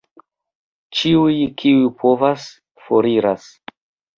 Ĉiuj, kiuj povas, foriras.